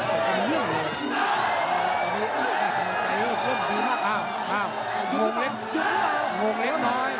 งงเล็กน้อย